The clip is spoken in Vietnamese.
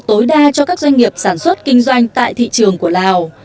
tối đa cho các doanh nghiệp sản xuất kinh doanh tại thị trường của lào